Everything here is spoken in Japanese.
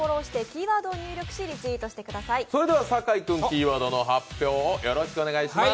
それでは酒井君キーワードの発表をお願いします。